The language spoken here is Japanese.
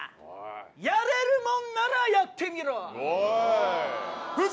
やれるもんならやってみろ！